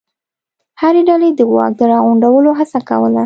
هرې ډلې د واک د راغونډولو هڅه کوله.